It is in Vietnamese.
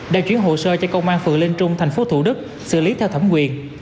đã chuyển hồ sơ cho công an phường linh trung thành phố thủ đức xử lý theo thẩm quyền